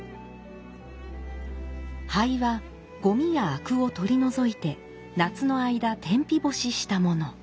灰はゴミや灰汁を取り除いて夏の間天日干ししたもの。